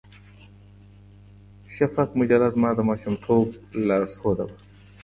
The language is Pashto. شفق مجله زما د ماشومتوب لارښوده وه.